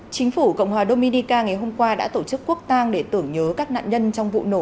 chính phủ cộng hòa dominica ngày hôm qua đã tổ chức quốc tang để tưởng nhớ các nạn nhân trong vụ nổ